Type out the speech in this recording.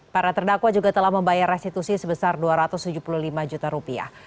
para terdakwa juga telah membayar restitusi sebesar dua ratus tujuh puluh lima juta rupiah